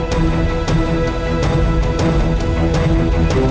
pak rafa emang penangkut pak